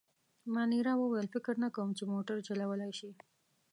مانیرا وویل: فکر نه کوم، چي موټر چلولای شي.